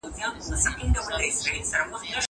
زه اوس نان خورم!